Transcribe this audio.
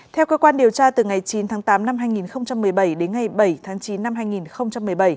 theo cơ quan điều tra từ ngày chín tháng tám năm hai nghìn một mươi bảy đến ngày bảy tháng chín năm hai nghìn một mươi bảy